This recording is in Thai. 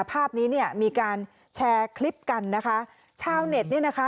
ภาพนี้เนี่ยมีการแชร์คลิปกันนะคะชาวเน็ตเนี่ยนะคะ